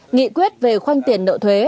nghị quyết về khoanh tiền nợ thuế